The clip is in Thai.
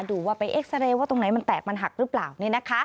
ดูว่าไปเอ็กซาเรย์ว่าตรงไหนมันแตกมันหักหรือเปล่า